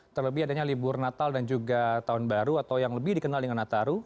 terlebih adanya libur natal dan juga tahun baru atau yang lebih dikenal dengan nataru